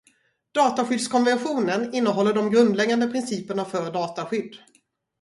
Dataskyddskonventionen innehåller de grundläggande principerna för dataskydd.